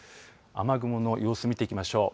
雨雲の様子を見ていきましょう。